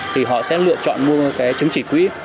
thì họ sẽ lựa chọn mua trứng chỉ quỹ